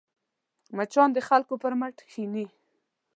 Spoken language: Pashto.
مچان د خلکو پر مټ کښېني